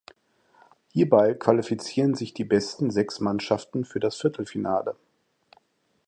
Hierbei qualifizieren sich die besten sechs Mannschaften für das Viertelfinale.